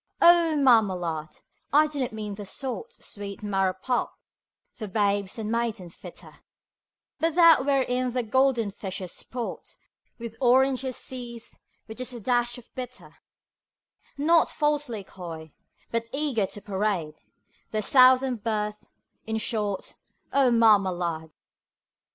O Marmalade! I do not mean the sort, Sweet marrow pulp, for babes and maidens fitter, But that wherein the golden fishes sport On oranges seas (with just a dash of bitter), Not falsely coy, but eager to parade Their Southern birth in short, O Marmalade!